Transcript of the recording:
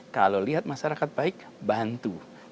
kalau lihat masyarakat baik bantu